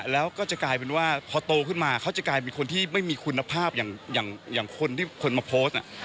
แล้วก็จะกลายเป็นว่าพอโตขึ้นมาเขาจะกลายเป็นคนที่ไม่มีคุณภาพอย่างคนที่คนมาโพสต์